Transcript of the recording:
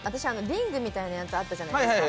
リングみたいなのあったじゃないですか。